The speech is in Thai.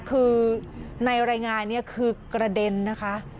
คือในรายงานนี้คือกระเด็นนะคะ